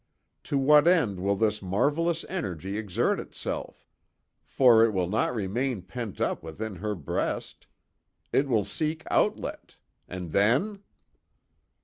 To what end will this marvelous energy exert itself? For, it will not remain pent up within her breast. It will seek outlet. And then?"